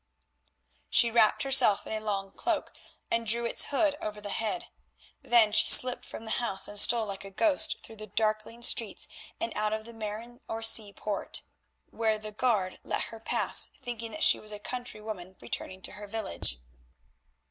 She wrapped herself in a long cloak and drew its hood over her head. Then she slipped from the house and stole like a ghost through the darkling streets and out of the Maren or Sea Poort, where the guard let her pass thinking that she was a country woman returning to her village.